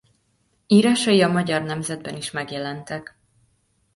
Írásai a Magyar Nemzetben is megjelentek.